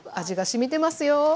味がしみてますよ！